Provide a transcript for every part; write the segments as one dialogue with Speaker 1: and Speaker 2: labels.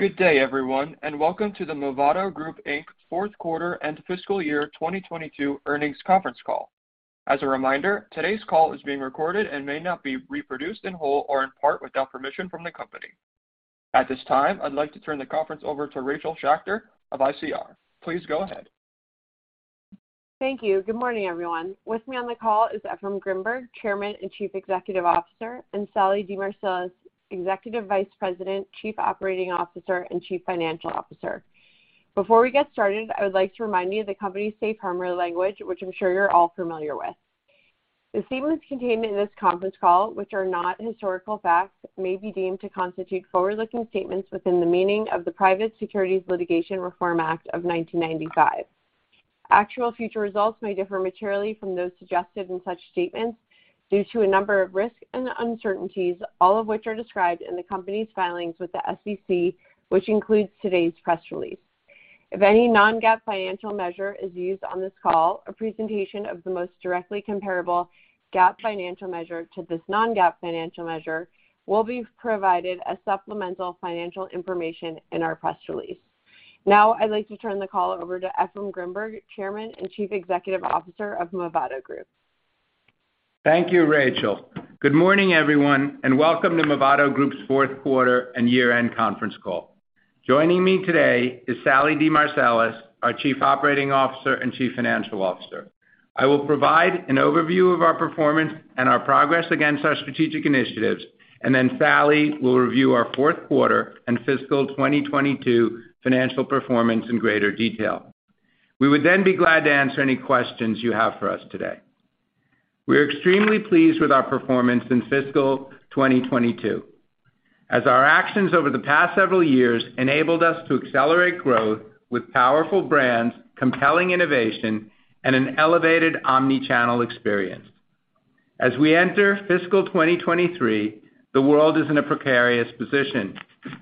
Speaker 1: Good day, everyone, and welcome to the Movado Group, Inc. Q4 and Fiscal Year 2022 Earnings Conference Call. As a reminder, today's call is being recorded and may not be reproduced in whole or in part without permission from the company. At this time, I'd like to turn the conference over to Rachel Schachter of ICR. Please go ahead.
Speaker 2: Thank you. Good morning, everyone. With me on the call is Efraim Grinberg, Chairman and Chief Executive Officer, and Sallie DeMarsilis, Executive Vice President, Chief Operating Officer, and Chief Financial Officer. Before we get started, I would like to remind you of the company's safe harbor language, which I'm sure you're all familiar with. The statements contained in this conference call which are not historical facts may be deemed to constitute forward-looking statements within the meaning of the Private Securities Litigation Reform Act of 1995. Actual future results may differ materially from those suggested in such statements due to a number of risks and uncertainties, all of which are described in the company's filings with the SEC, which includes today's press release. If any non-GAAP financial measure is used on this call, a presentation of the most directly comparable GAAP financial measure to this non-GAAP financial measure will be provided as supplemental financial information in our press release. Now, I'd like to turn the call over to Efraim Grinberg, Chairman and Chief Executive Officer of Movado Group.
Speaker 3: Thank you, Rachel. Good morning, everyone, and welcome to Movado Group's Q4 and year-end conference call. Joining me today is Sallie DeMarsilis, our Chief Operating Officer and Chief Financial Officer. I will provide an overview of our performance and our progress against our strategic initiatives, and then Sallie will review our Q4 and fiscal 2022 financial performance in greater detail. We would then be glad to answer any questions you have for us today. We are extremely pleased with our performance in fiscal 2022, as our actions over the past several years enabled us to accelerate growth with powerful brands, compelling innovation, and an elevated omni-channel experience. As we enter fiscal 2023, the world is in a precarious position.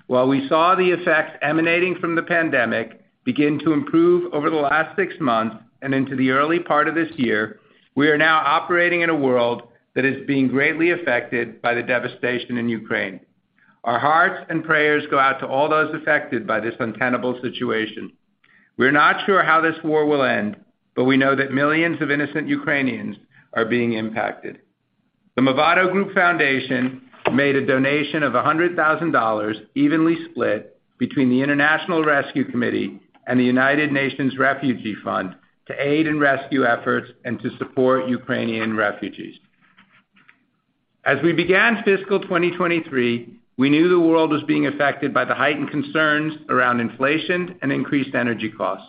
Speaker 3: While we saw the effects emanating from the pandemic begin to improve over the last six months and into the early part of this year, we are now operating in a world that is being greatly affected by the devastation in Ukraine. Our hearts and prayers go out to all those affected by this untenable situation. We're not sure how this war will end, but we know that millions of innocent Ukrainians are being impacted. The Movado Group Foundation made a donation of $100,000 evenly split between the International Rescue Committee and the United Nations High Commissioner for Refugees to aid in rescue efforts and to support Ukrainian refugees. As we began fiscal 2023, we knew the world was being affected by the heightened concerns around inflation and increased energy costs.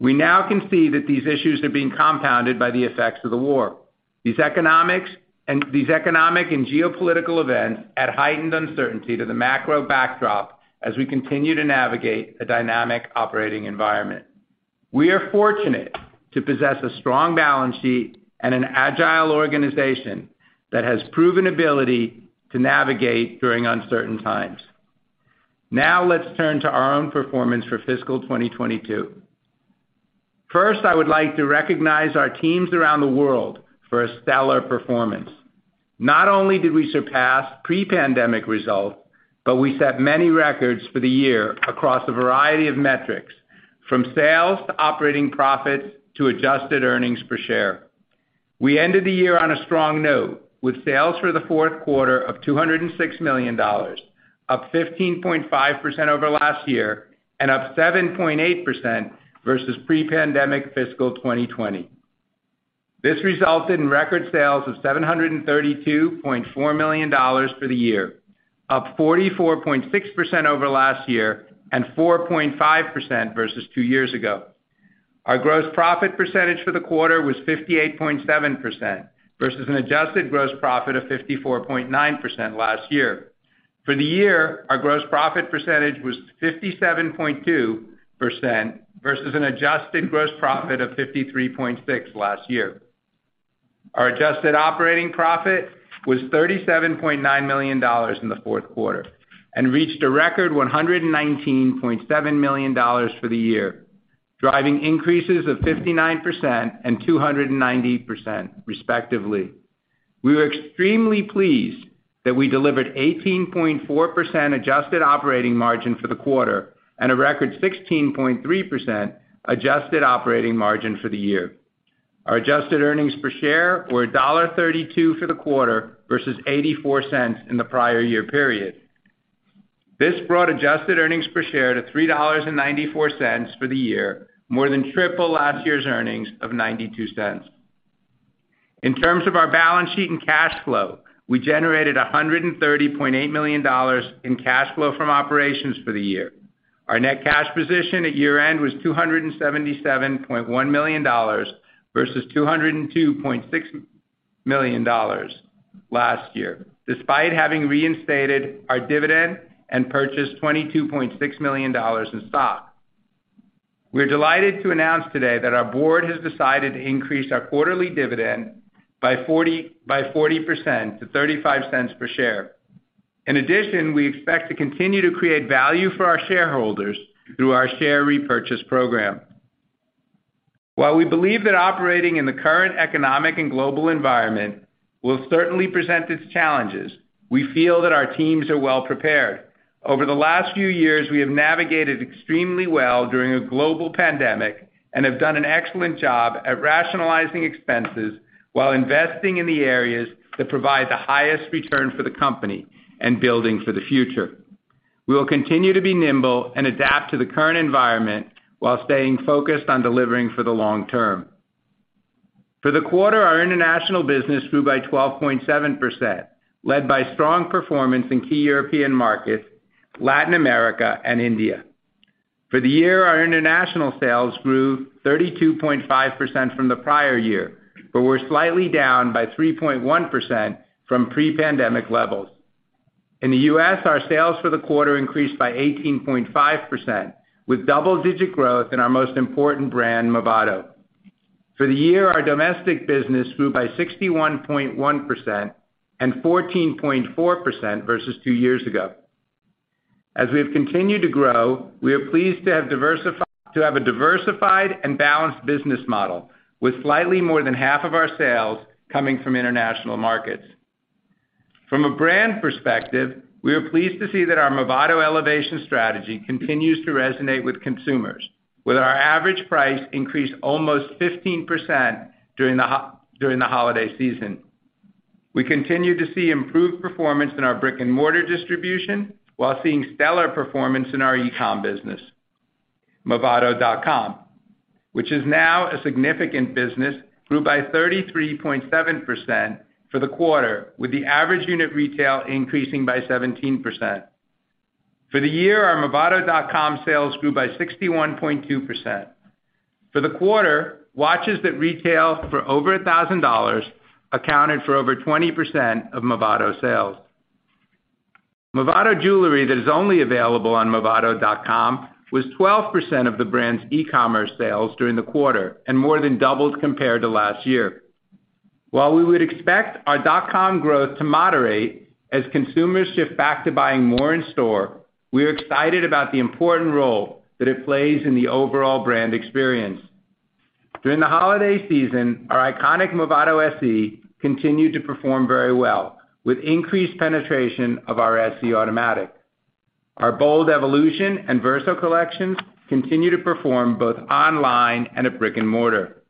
Speaker 3: We now can see that these issues are being compounded by the effects of the war. These economic and geopolitical events add heightened uncertainty to the macro backdrop as we continue to navigate a dynamic operating environment. We are fortunate to possess a strong balance sheet and an agile organization that has proven ability to navigate during uncertain times. Now, let's turn to our own performance for fiscal 2022. First, I would like to recognize our teams around the world for a stellar performance. Not only did we surpass pre-pandemic results, but we set many records for the year across a variety of metrics, from sales to operating profits to adjusted earnings per share. We ended the year on a strong note, with sales for the Q4 of $206 million, up 15.5% over last year and up 7.8% versus pre-pandemic fiscal 2020. This resulted in record sales of $732.4 million for the year, up 44.6% over last year and 4.5% versus two years ago. Our gross profit percentage for the quarter was 58.7% versus an adjusted gross profit of 54.9% last year. For the year, our gross profit percentage was 57.2% versus an adjusted gross profit of 53.6% last year. Our adjusted operating profit was $37.9 million in the Q4 and reached a record $119.7 million for the year, driving increases of 59% and 290% respectively. We were extremely pleased that we delivered 18.4% adjusted operating margin for the quarter and a record 16.3% adjusted operating margin for the year. Our adjusted earnings per share were $1.32 for the quarter versus $0.84 in the prior year period. This brought adjusted earnings per share to $3.94 for the year, more than triple last year's earnings of $0.92. In terms of our balance sheet and cash flow, we generated $130.8 million in cash flow from operations for the year. Our net cash position at year-end was $277.1 million versus $202.6 million last year, despite having reinstated our dividend and purchased $22.6 million in stock. We're delighted to announce today that our board has decided to increase our quarterly dividend by 40% to $0.35 per share. In addition, we expect to continue to create value for our shareholders through our share repurchase program. While we believe that operating in the current economic and global environment will certainly present its challenges, we feel that our teams are well prepared. Over the last few years, we have navigated extremely well during a global pandemic and have done an excellent job at rationalizing expenses while investing in the areas that provide the highest return for the company and building for the future. We will continue to be nimble and adapt to the current environment while staying focused on delivering for the long term. For the quarter, our international business grew by 12.7%, led by strong performance in key European markets, Latin America, and India. For the year, our international sales grew 32.5% from the prior year, but were slightly down by 3.1% from pre-pandemic levels. In the U.S., our sales for the quarter increased by 18.5% with double-digit growth in our most important brand, Movado. For the year, our domestic business grew by 61.1% and 14.4% versus two years ago. As we have continued to grow, we are pleased to have a diversified and balanced business model with slightly more than half of our sales coming from international markets. From a brand perspective, we are pleased to see that our Movado elevation strategy continues to resonate with consumers. With our average price increased almost 15% during the holiday season. We continue to see improved performance in our brick-and-mortar distribution while seeing stellar performance in our e-com business. movado.com, which is now a significant business, grew by 33.7% for the quarter, with the average unit retail increasing by 17%. For the year, our movado.com sales grew by 61.2%. For the quarter, watches that retail for over $1,000 accounted for over 20% of Movado sales. Movado Jewelry that is only available on movado.com was 12% of the brand's e-commerce sales during the quarter and more than doubled compared to last year. While we would expect our dot-com growth to moderate as consumers shift back to buying more in store, we are excited about the important role that it plays in the overall brand experience. During the holiday season, our iconic Movado SE continued to perform very well with increased penetration of our SE Automatic. Our BOLD Evolution and BOLD Verso collections continue to perform both online and at brick-and-mortar.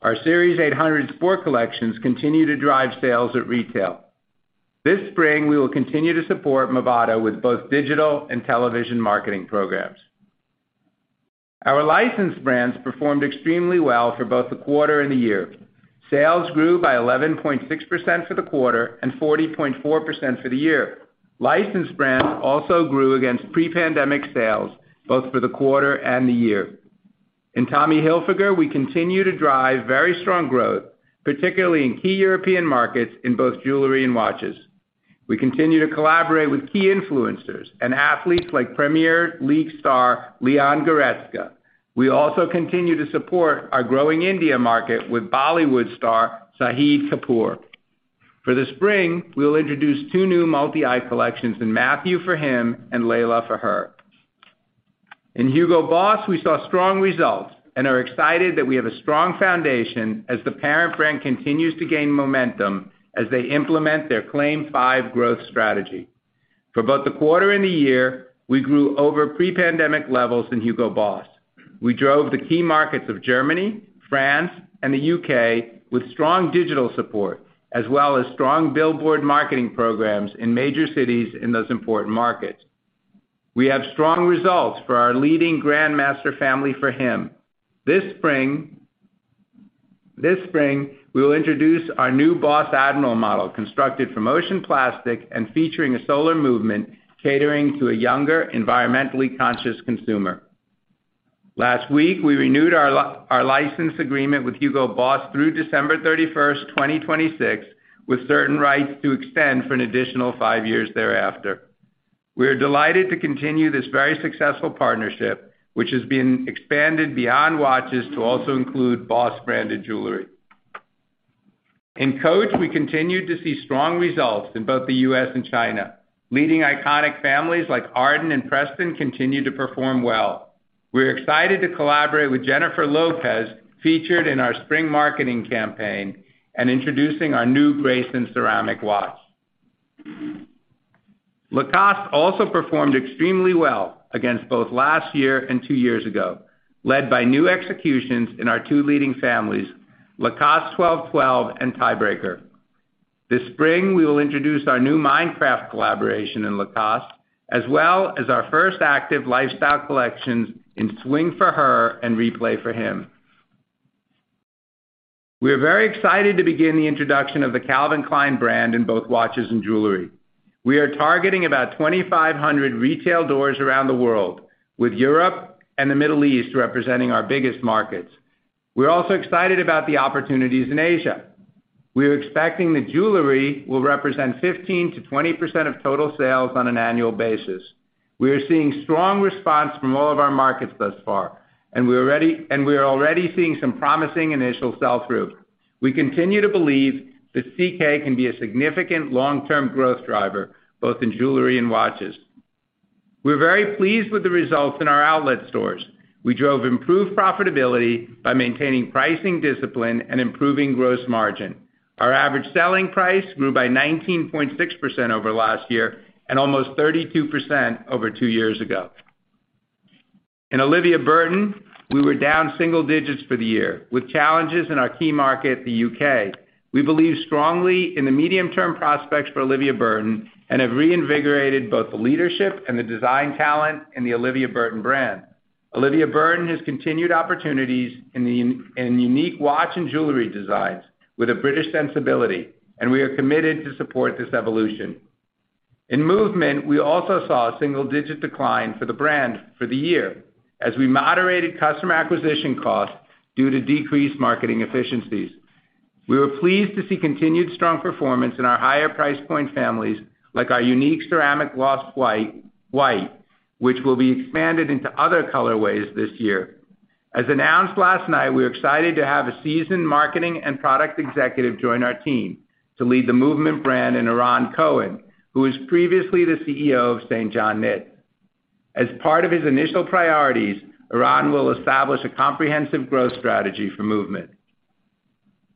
Speaker 3: Our Series 800 sport collections continue to drive sales at retail. This spring, we will continue to support Movado with both digital and television marketing programs. Our licensed brands performed extremely well for both the quarter and the year. Sales grew by 11.6% for the quarter and 40.4% for the year. Licensed brands also grew against pre-pandemic sales, both for the quarter and the year. In Tommy Hilfiger, we continue to drive very strong growth, particularly in key European markets in both jewelry and watches. We continue to collaborate with key influencers and athletes like Bundesliga star Leon Goretzka. We also continue to support our growing India market with Bollywood star Shahid Kapoor. For the spring, we will introduce two new multi-eye collections in Matthew for him and Layla for her. In Hugo Boss, we saw strong results and are excited that we have a strong foundation as the parent brand continues to gain momentum as they implement their CLAIM 5 growth strategy. For both the quarter and the year, we grew over pre-pandemic levels in Hugo Boss. We drove the key markets of Germany, France, and the U.K. with strong digital support as well as strong billboard marketing programs in major cities in those important markets. We have strong results for our leading Grandmaster family for him. This spring, we will introduce our new BOSS Admiral model, constructed from ocean plastic and featuring a solar movement catering to a younger, environmentally conscious consumer. Last week, we renewed our license agreement with Hugo Boss through December 31, 2026, with certain rights to extend for an additional five years thereafter. We are delighted to continue this very successful partnership, which has been expanded beyond watches to also include Boss-branded jewelry. In Coach, we continued to see strong results in both the U.S. and China. Leading iconic families like Arden and Preston continued to perform well. We are excited to collaborate with Jennifer Lopez, featured in our spring marketing campaign and introducing our new Greyson ceramic watch. Lacoste also performed extremely well against both last year and two years ago, led by new executions in our two leading families, Lacoste 12.12 and Tiebreaker. This spring, we will introduce our new Minecraft collaboration in Lacoste, as well as our first active lifestyle collections in Swing for her and Replay for him. We are very excited to begin the introduction of the Calvin Klein brand in both watches and jewelry. We are targeting about 2,500 retail doors around the world, with Europe and the Middle East representing our biggest markets. We are also excited about the opportunities in Asia. We are expecting that jewelry will represent 15%-20% of total sales on an annual basis. We are seeing strong response from all of our markets thus far, and we are ready, and we are already seeing some promising initial sell-through. We continue to believe that CK can be a significant long-term growth driver, both in jewelry and watches. We're very pleased with the results in our outlet stores. We drove improved profitability by maintaining pricing discipline and improving gross margin. Our average selling price grew by 19.6% over last year, and almost 32% over two years ago. In Olivia Burton, we were down single digits for the year, with challenges in our key market, the U.K. We believe strongly in the medium-term prospects for Olivia Burton and have reinvigorated both the leadership and the design talent in the Olivia Burton brand. Olivia Burton has continued opportunities in the unique watch and jewelry designs with a British sensibility, and we are committed to support this evolution. In MVMT, we also saw a single-digit decline for the brand for the year as we moderated customer acquisition costs due to decreased marketing efficiencies. We were pleased to see continued strong performance in our higher price point families, like our unique ceramic gloss white, which will be expanded into other colorways this year. As announced last night, we're excited to have a seasoned marketing and product executive join our team to lead the MVMT brand in Eran Cohen, who was previously the CEO of St. John Knits. As part of his initial priorities, Eran will establish a comprehensive growth strategy for MVMT.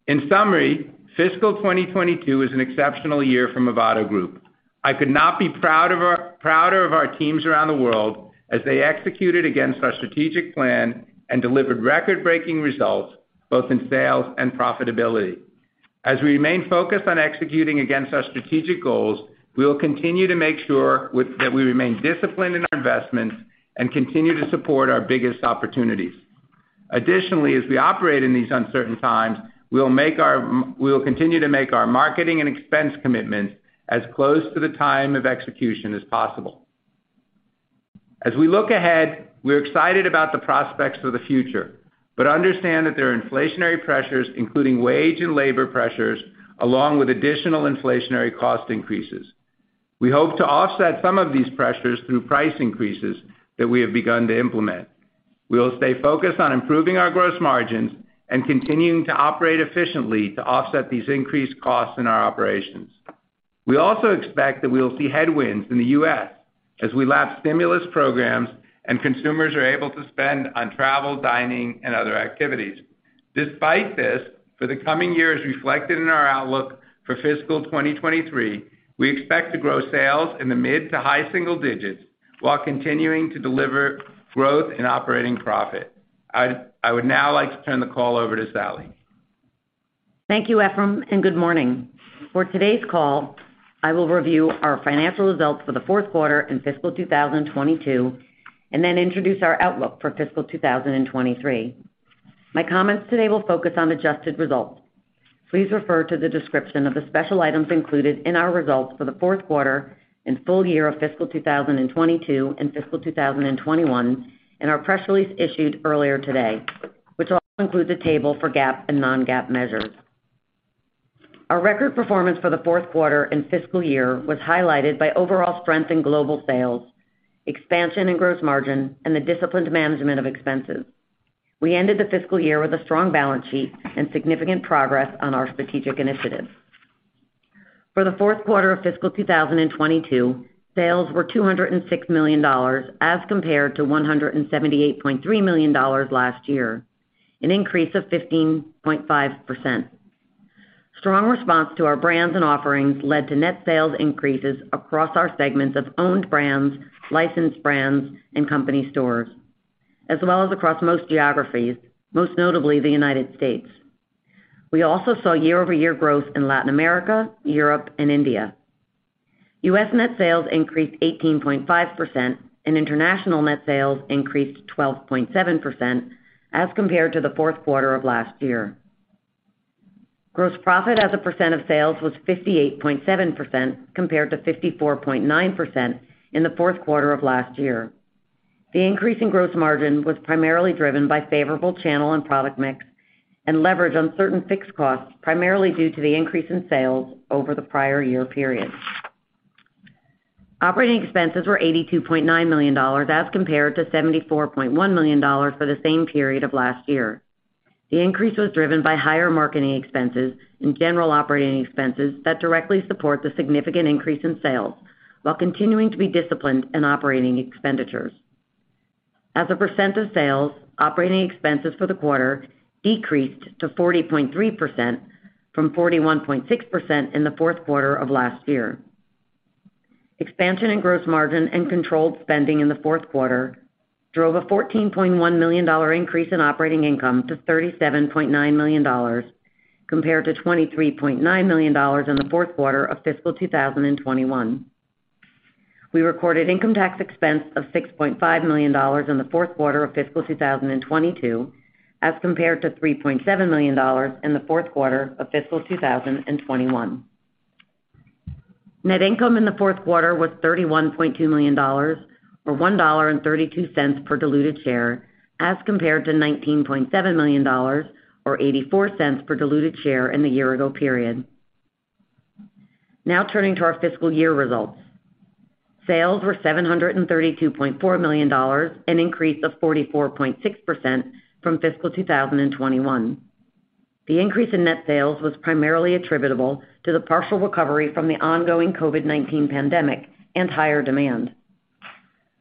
Speaker 3: In summary, fiscal 2022 is an exceptional year for Movado Group. I could not be prouder of our teams around the world as they executed against our strategic plan and delivered record-breaking results both in sales and profitability. As we remain focused on executing against our strategic goals, we will continue to make sure that we remain disciplined in our investments and continue to support our biggest opportunities. Additionally, as we operate in these uncertain times, we will continue to make our marketing and expense commitments as close to the time of execution as possible. As we look ahead, we're excited about the prospects for the future, but understand that there are inflationary pressures, including wage and labor pressures, along with additional inflationary cost increases. We hope to offset some of these pressures through price increases that we have begun to implement. We will stay focused on improving our gross margins and continuing to operate efficiently to offset these increased costs in our operations. We also expect that we will see headwinds in the U.S. as we lap stimulus programs and consumers are able to spend on travel, dining, and other activities. Despite this, for the coming years reflected in our outlook for fiscal 2023, we expect to grow sales in the mid- to high-single digits while continuing to deliver growth in operating profit. I would now like to turn the call over to Sallie.
Speaker 4: Thank you, Efraim, and good morning. For today's call, I will review our financial results for the Q4 in fiscal 2022 and then introduce our outlook for fiscal 2023. My comments today will focus on adjusted results. Please refer to the description of the special items included in our results for the Q4 and full year of fiscal 2022 and fiscal 2021 in our press release issued earlier today, which also includes a table for GAAP and non-GAAP measures. Our record performance for the Q4 and fiscal year was highlighted by overall strength in global sales, expansion and gross margin, and the disciplined management of expenses. We ended the fiscal year with a strong balance sheet and significant progress on our strategic initiatives. For the Q4 of fiscal 2022, sales were $206 million as compared to $178.3 million last year, an increase of 15.5%. Strong response to our brands and offerings led to net sales increases across our segments of owned brands, licensed brands, and company stores, as well as across most geographies, most notably the United States. We also saw year-over-year growth in Latin America, Europe, and India. U.S. net sales increased 18.5%, and international net sales increased 12.7% as compared to the Q4 of last year. Gross profit as a percent of sales was 58.7% compared to 54.9% in the Q4 of last year. The increase in gross margin was primarily driven by favorable channel and product mix and leverage on certain fixed costs, primarily due to the increase in sales over the prior year period. Operating expenses were $82.9 million as compared to $74.1 million for the same period of last year. The increase was driven by higher marketing expenses and general operating expenses that directly support the significant increase in sales while continuing to be disciplined in operating expenditures. As a percent of sales, operating expenses for the quarter decreased to 40.3% from 41.6% in the Q4 of last year. Expansion in gross margin and controlled spending in the Q4 drove a $14.1 million increase in operating income to $37.9 million compared to $23.9 million in the Q4 of fiscal 2021. We recorded income tax expense of $6.5 million in the Q4 of fiscal 2022 as compared to $3.7 million in the Q4 of fiscal 2021. Net income in the Q4 was $31.2 million or $1.32 per diluted share as compared to $19.7 million or $0.84 per diluted share in the year ago period. Now turning to our fiscal year results. Sales were $732.4 million, an increase of 44.6% from fiscal 2021. The increase in net sales was primarily attributable to the partial recovery from the ongoing COVID-19 pandemic and higher demand.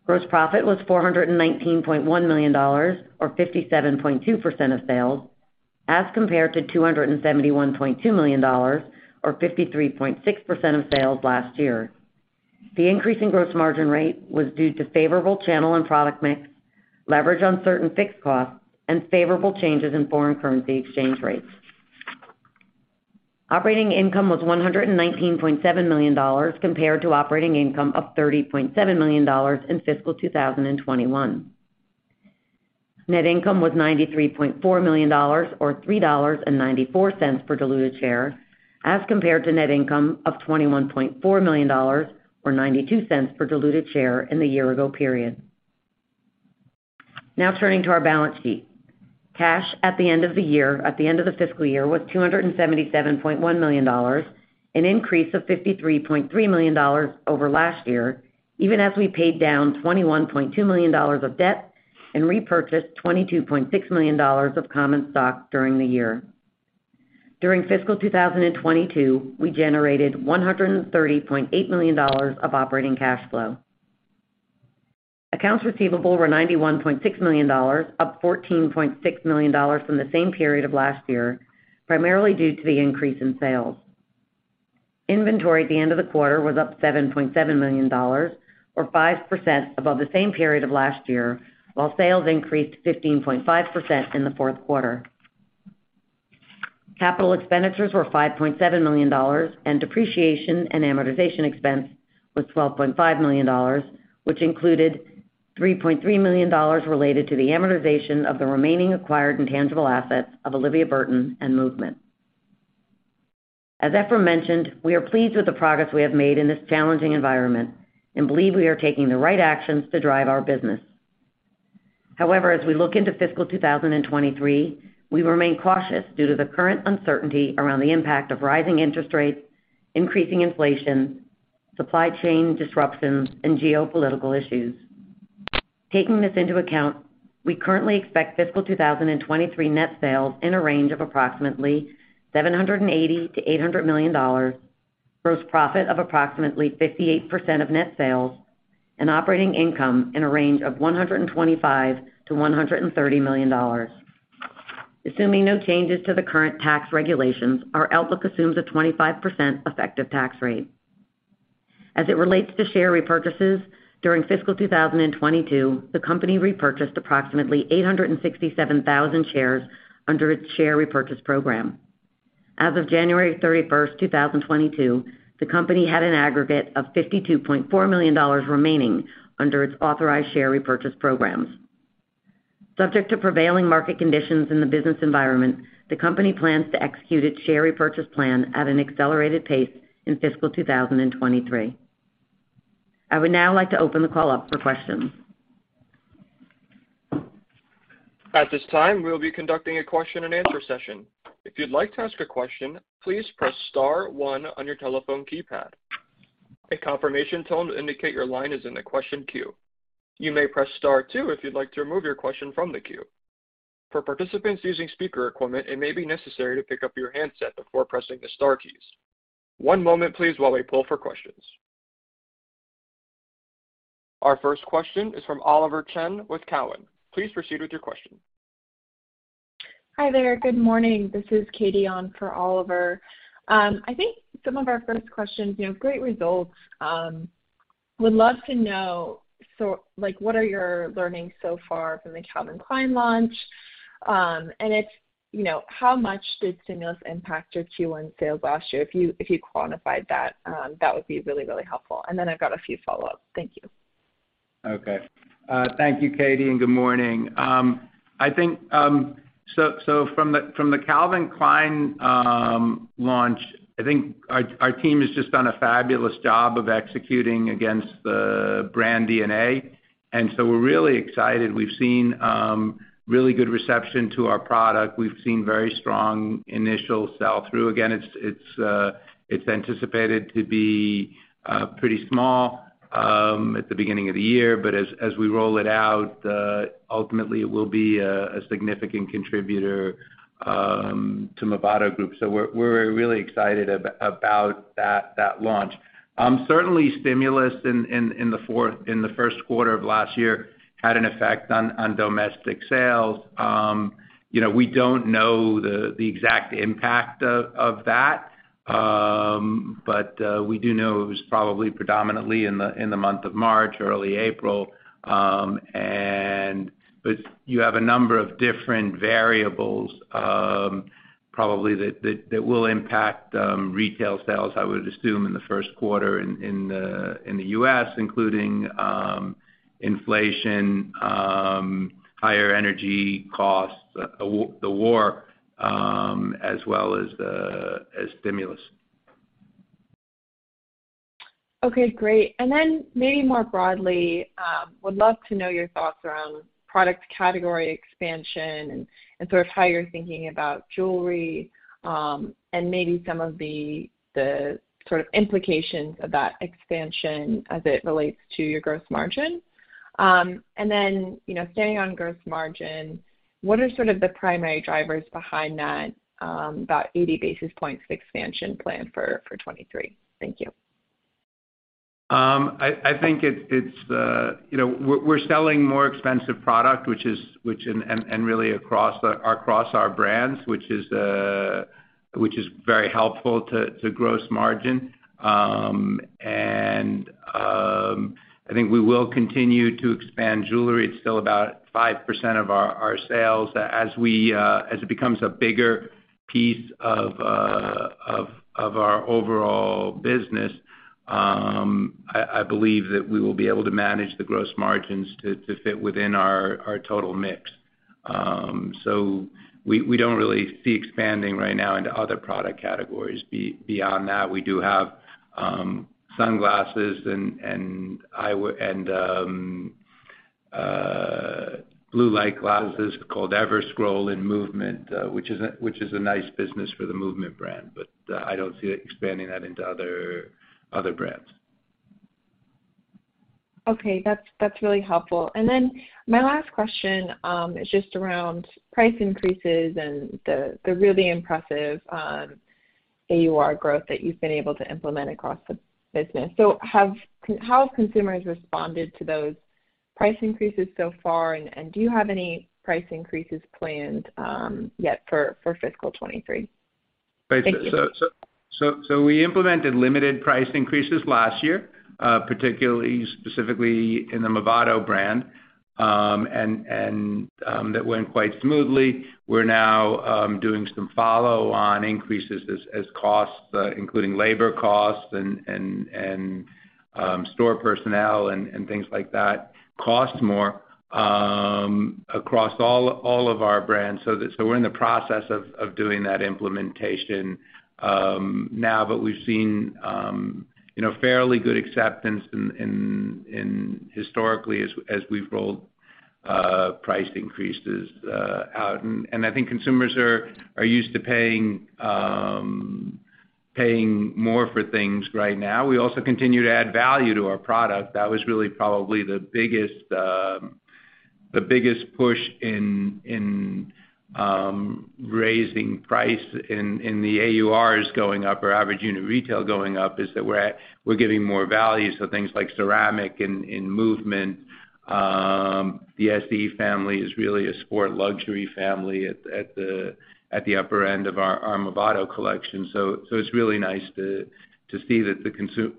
Speaker 4: Gross profit was $419.1 million, or 57.2% of sales, as compared to $271.2 million or 53.6% of sales last year. The increase in gross margin rate was due to favorable channel and product mix, leverage on certain fixed costs, and favorable changes in foreign currency exchange rates. Operating income was $119.7 million compared to operating income of $30.7 million in fiscal 2021. Net income was $93.4 million or $3.94 per diluted share, as compared to net income of $21.4 million or $0.92 per diluted share in the year ago period. Now turning to our balance sheet. Cash at the end of the fiscal year was $277.1 million, an increase of $53.3 million over last year, even as we paid down $21.2 million of debt and repurchased $22.6 million of common stock during the year. During fiscal 2022, we generated $130.8 million of operating cash flow. Accounts receivable were $91.6 million, up $14.6 million from the same period of last year, primarily due to the increase in sales. Inventory at the end of the quarter was up $7.7 million or 5% above the same period of last year, while sales increased 15.5% in the Q4. Capital expenditures were $5.7 million, and depreciation and amortization expense was $12.5 million, which included $3.3 million related to the amortization of the remaining acquired intangible assets of Olivia Burton and MVMT. As Efraim mentioned, we are pleased with the progress we have made in this challenging environment and believe we are taking the right actions to drive our business. However, as we look into fiscal 2023, we remain cautious due to the current uncertainty around the impact of rising interest rates, increasing inflation, supply chain disruptions, and geopolitical issues. Taking this into account, we currently expect fiscal 2023 net sales in a range of approximately $780 million-$800 million, gross profit of approximately 58% of net sales, and operating income in a range of $125 million-$130 million. Assuming no changes to the current tax regulations, our outlook assumes a 25% effective tax rate. As it relates to share repurchases, during fiscal 2022, the company repurchased approximately 867,000 shares under its share repurchase program. As of January 31, 2022, the company had an aggregate of $52.4 million remaining under its authorized share repurchase programs. Subject to prevailing market conditions in the business environment, the company plans to execute its share repurchase plan at an accelerated pace in fiscal 2023. I would now like to open the call up for questions.
Speaker 1: At this time, we will be conducting a question and answer session. If you'd like to ask a question, please press star one on your telephone keypad. A confirmation tone will indicate your line is in the question queue. You may press star two if you'd like to remove your question from the queue. For participants using speaker equipment, it may be necessary to pick up your handset before pressing the star keys. One moment please while we poll for questions. Our first question is from Oliver Chen with Cowen. Please proceed with your question.
Speaker 5: Hi there. Good morning. This is Katy on for Oliver. I think some of our first questions, you know, great results. Would love to know like, what are your learnings so far from the Calvin Klein launch? And it's, you know, how much did stimulus impact your Q1 sales last year? If you quantified that would be really helpful. Then I've got a few follow-ups. Thank you.
Speaker 3: Okay. Thank you, Katy, and good morning. I think from the Calvin Klein launch, I think our team has just done a fabulous job of executing against the brand DNA, and we're really excited. We've seen really good reception to our product. We've seen very strong initial sell-through. Again, it's anticipated to be pretty small at the beginning of the year, but as we roll it out, ultimately, it will be a significant contributor to Movado Group. We're really excited about that launch. Certainly, stimulus in the Q1 of last year had an effect on domestic sales. You know, we don't know the exact impact of that. We do know it was probably predominantly in the month of March, early April. You have a number of different variables, probably that will impact retail sales, I would assume, in the Q1 in the U.S. including inflation, higher energy costs, the war, as well as stimulus.
Speaker 5: Okay, great. Maybe more broadly, would love to know your thoughts around product category expansion and sort of how you're thinking about jewelry, and maybe some of the sort of implications of that expansion as it relates to your gross margin. You know, staying on gross margin, what are sort of the primary drivers behind that 80 basis points expansion plan for 2023? Thank you.
Speaker 3: I think it's the—you know, we're selling more expensive product, which is really across our brands, which is very helpful to gross margin. I think we will continue to expand jewelry. It's still about 5% of our sales. As it becomes a bigger piece of our overall business, I believe that we will be able to manage the gross margins to fit within our total mix. We don't really see expanding right now into other product categories. Beyond that, we do have sunglasses and eyewear and blue light glasses called Everscroll in MVMT, which is a nice business for the MVMT brand. I don't see it expanding that into other brands.
Speaker 5: Okay. That's really helpful. My last question is just around price increases and the really impressive AUR growth that you've been able to implement across the business. How have consumers responded to those price increases so far? Do you have any price increases planned yet for fiscal 2023? Thank you.
Speaker 3: We implemented limited price increases last year, particularly specifically in the Movado brand, and that went quite smoothly. We're now doing some follow on increases as costs, including labor costs and store personnel and things like that cost more, across all of our brands. We're in the process of doing that implementation now. We've seen you know, fairly good acceptance in historically as we've rolled price increases out. I think consumers are used to paying more for things right now. We also continue to add value to our product. That was really probably the biggest push in raising price in the AURs going up or Average Unit Retail going up is that we're giving more value, things like ceramic in MVMT. The SE family is really a sport luxury family at the upper end of our Movado collection. It's really nice to see that the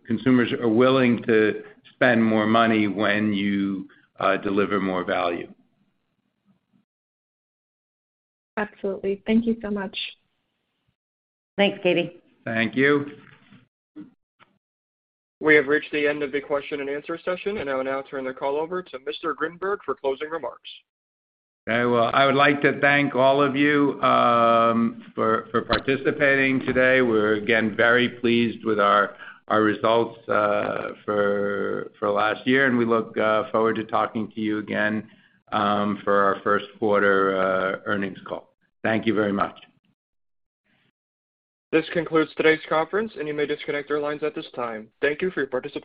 Speaker 3: consumers are willing to spend more money when you deliver more value.
Speaker 5: Absolutely. Thank you so much.
Speaker 4: Thanks, Katie.
Speaker 3: Thank you.
Speaker 1: We have reached the end of the question and answer session, and I will now turn the call over to Mr. Grinberg for closing remarks.
Speaker 3: Very well. I would like to thank all of you for participating today. We're again very pleased with our results for last year, and we look forward to talking to you again for our Q1 earnings call. Thank you very much.
Speaker 1: This concludes today's conference, and you may disconnect your lines at this time. Thank you for your participation.